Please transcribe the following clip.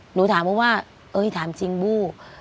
หนูถามก็ว่าเอ้ยถามจริงบู้